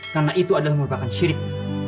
karena itu adalah merupakan syirik